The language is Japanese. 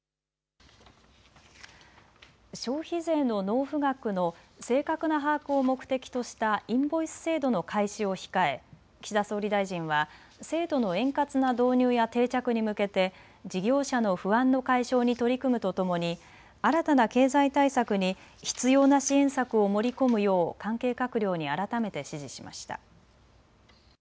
消費税の納税額の正確な把握を目的としたインボイス制度の開始を控え岸田総理大臣は制度の円滑な導入や定着に向けて事業者の不安の解消に取り組むとともに新たな経済対策に必要な支援策を盛り込むよう関係閣僚に改めて指示しました。